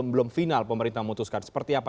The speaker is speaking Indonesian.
belum final pemerintah memutuskan seperti apa